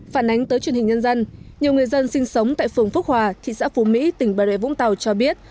phản ánh tới truyền hình nhân dân nhiều người dân sinh sống tại phường phúc hòa thị xã phú mỹ tỉnh bà rệ vũng tàu cho biết